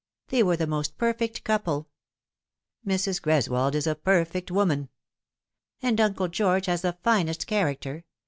They were the most perfect couple." " Mrs. Greswold is a perfect woman." " And Uncle George has the finest character.